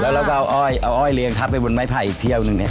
แล้วก็เอาอ้อยเรียงทับไปบนไม้ไผ่อีกเที่ยวหนึ่งเนี่ย